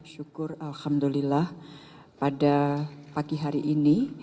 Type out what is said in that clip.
syukur alhamdulillah pada pagi hari ini